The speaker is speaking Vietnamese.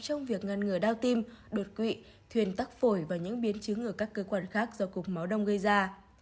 trong việc ngăn ngừa đau tim đột quỵ thuyền tắc phổi và những biến chứng ở các cơ quan khác do cục máu đông gây ra